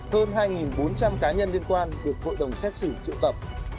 hơn hai bốn trăm linh cá nhân liên quan được hội đồng xét xử triệu tập